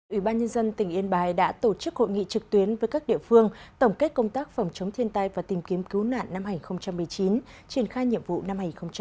ủy ban nhân dân tỉnh yên bái đã tổ chức hội nghị trực tuyến với các địa phương tổng kết công tác phòng chống thiên tai và tìm kiếm cứu nạn năm hai nghìn một mươi chín triển khai nhiệm vụ năm hai nghìn hai mươi